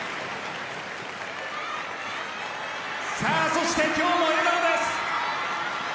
そして今日も笑顔です。